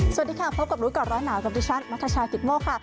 สวัสดีค่ะพบกับรู้ก่อนร้อนหนาวกับดิฉันนัทชายกิตโมกค่ะ